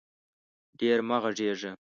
ډېر مه غږېږه